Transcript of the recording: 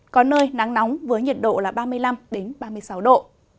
có nơi nắng nóng với nhiệt độ là ba mươi năm ba mươi sáu độ